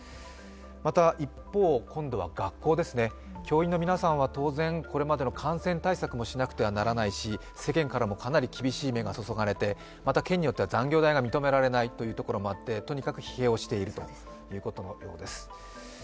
また一方、今度は学校ですね、教員の皆さんは当然これまでの感染対策もしなくてはならないし、世間からもかなり厳しい目が注がれてまた、県によっては残業代が認められないところもあってとにかく疲弊をしているということのようです。